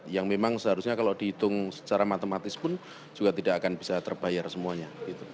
yang memang seharusnya kalau dihitung secara matematis pun juga tidak akan bisa terbayar semuanya